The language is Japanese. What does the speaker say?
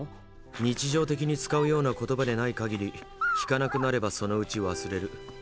日常的に使うような言葉でないかぎり聞かなくなればそのうち忘れる。